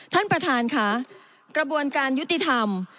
ท่านประธานค่ะกระบวนการยุติธรรม